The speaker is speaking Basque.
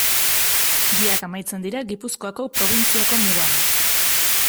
Biak amaitzen dira Gipuzkoako probintziako mugan.